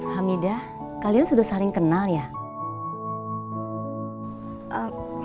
hamidah kalian sudah saling kenal ya